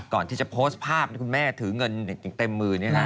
ก่อนที่จะโพสต์ภาพที่คุณแม่ถือเงินอย่างเต็มมือนี่นะ